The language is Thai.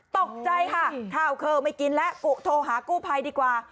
ตกใจค่ะข้าวคือไม่กินแล้วกุโทรหากู้ภัยดีกว่า